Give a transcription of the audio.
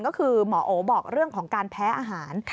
ก็คือหมอโอบอกเรื่องของการแพ้อาหาร